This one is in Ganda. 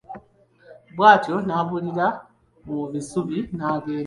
Bw'atyo n'abulira mu bisubi n'agenda.